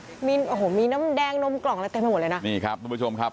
มีโอ้โหมีน้ำแดงนมกล่องอะไรเต็มไปหมดเลยนะนี่ครับทุกผู้ชมครับ